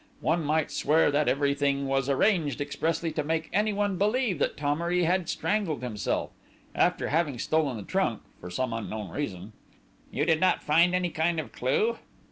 One might swear that everything was arranged expressly to make anyone believe that Thomery had strangled himself, after having stolen the trunk, for some unknown reason!" "You did not find any kind of clue?"